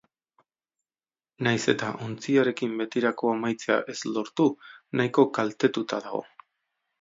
Nahiz eta ontziarekin betirako amaitzea ez lortu, nahiko kaltetuta dago.